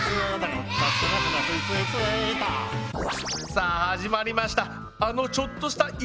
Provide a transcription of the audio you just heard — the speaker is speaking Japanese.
さあ始まりました。